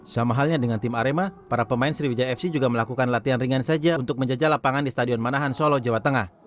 sama halnya dengan tim arema para pemain sriwijaya fc juga melakukan latihan ringan saja untuk menjajah lapangan di stadion manahan solo jawa tengah